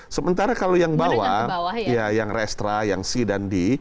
sementara kalau yang bawah ya yang restra yang c dan d